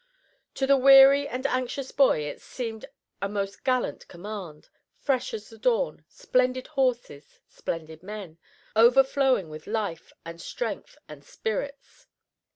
To the weary and anxious boy it seemed a most gallant command, fresh as the dawn, splendid horses, splendid men, overflowing with life and strength and spirits.